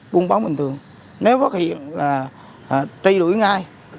cung báo bình thường nếu phát hiện là trây đuổi ngay